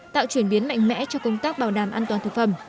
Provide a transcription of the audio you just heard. tạo chuyển biến mạnh mẽ cho công tác bảo đảm an toàn thực phẩm